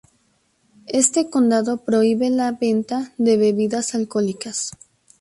Este condado prohíbe la venta de bebidas alcohólicas.